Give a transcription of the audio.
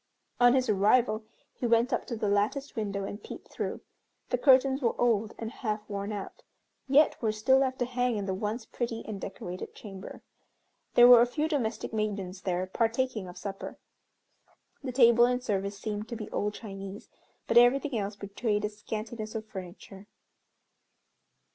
On his arrival he went up to the latticed window and peeped through. The curtains were old and half worn out, yet were still left to hang in the once pretty and decorated chamber. There were a few domestic maidens there partaking of supper. The table and service seemed to be old Chinese, but everything else betrayed a scantiness of furniture.